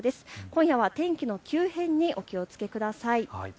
今夜は天気の急変にお気をつけください。